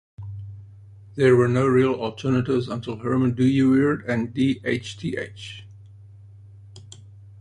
There were no real alternatives until Herman Dooyeweerd and D. H. Th.